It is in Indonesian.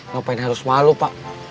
gak apa apa harus malu pak